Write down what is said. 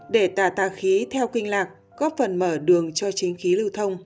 để tả tà khí theo kinh lạc góp phần mở đường cho chính khí lưu thông